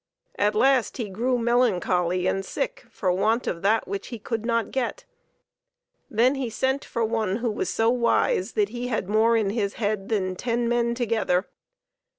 At last he grew melancholy and sick for want of that which he could not get. Then he sent for one who was so wise that he had more in his head than ten men together.